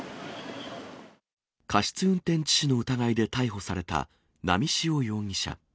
過失運転致死の疑いで逮捕された波汐容疑者。